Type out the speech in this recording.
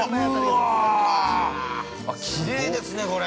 うわぁ、きれいですね、これ。